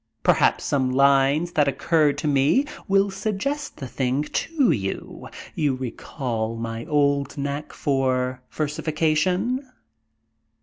Perhaps some lines that occurred to me will suggest the thing to you you recall my old knack for versification?